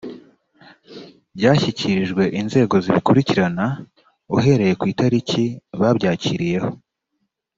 byashyikirijwe inzego zibikurikirana uhereye ku itariki babyakiriyeho